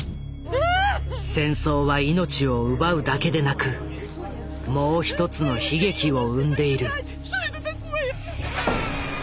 戦争は命を奪うだけでなくもう一つの悲劇を生んでいる。